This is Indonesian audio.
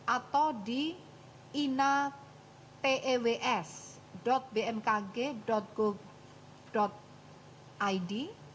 atau di inatews bmkg go id